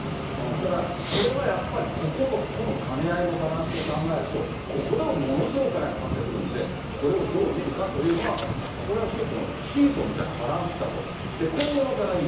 だからそれはやっぱり、こことここの兼ね合いのバランスを考えると、ここでもものすごいお金がかかってくるんで、これをどう見るかというのは、これは一つのシーソーみたいなバランスだと。